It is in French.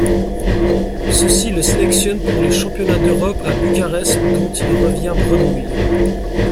Ceci le sélectionne pour les championnats d'Europe à Bucarest dont il revient bredouille.